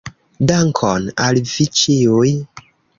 Dankon al vi ĉiuj!